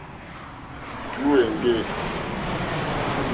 Tǔ èŋɡê.